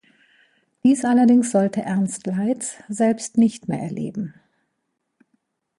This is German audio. Dies allerdings sollte Ernst Leitz selbst nicht mehr erleben.